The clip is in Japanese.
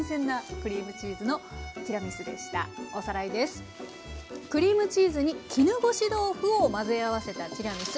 クリームチーズに絹ごし豆腐を混ぜ合わせたティラミス。